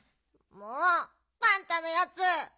もうパンタのやつ。